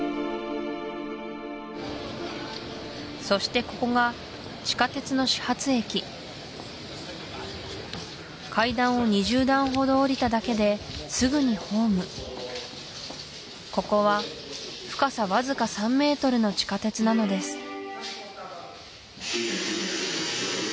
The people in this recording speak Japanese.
そしてここが地下鉄の始発駅階段を２０段ほど下りただけですぐにホームここは深さわずか３メートルの地下鉄なのです